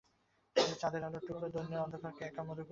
ও যে চাঁদের আলোর টুকরো, দৈন্যের অন্ধকারকে একা মধুর করে রেখেছে।